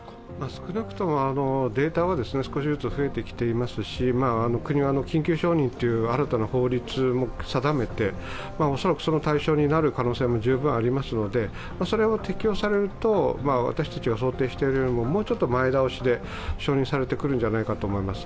少なくともデータは少しずつ増えてきていますし、国は緊急承認という新たな法律も定めて恐らくその対象になる可能性も十分ありますのでそれを適用されると、私たちが想定しているよりももうちょっと前倒しで承認されてくるんじゃないかと思います。